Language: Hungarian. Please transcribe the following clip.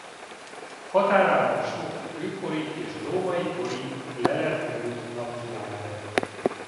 Határában sok kőkor-i és római kor-i lelet került napvilágra.